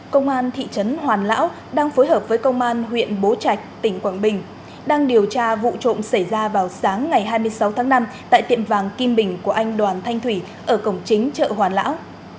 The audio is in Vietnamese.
công an thị trấn hoàn lão đang phối hợp với công an huyện bố trạch tỉnh quảng bình đang điều tra vụ trộm xảy ra vào sáng ngày hai mươi sáu tháng năm tại tiệm vàng kim bình của anh đoàn thanh thủy ở cổng chính chợ hoàn lão